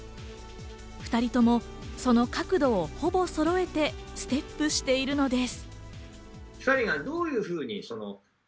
２人ともその角度をほぼそろえてステップしているのです。